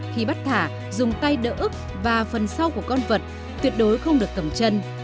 khi bắt thả dùng tay đỡ ức và phần sau của con vật tuyệt đối không được cầm chân